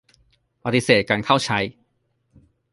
ปฏิเสธการเข้าใช้.